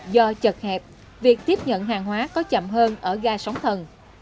do chật hẹp việc tiếp nhận hàng hóa có chậm hơn ở ga sóng thần